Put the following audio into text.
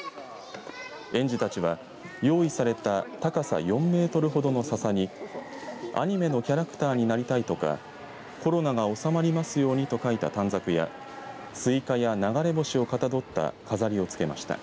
園児たちは用意された高さ４メートルほどのささにアニメのキャラクターになりたいとかコロナが収まりますようにと書いた短冊やスイカや流れ星をかたどった飾りをつけました。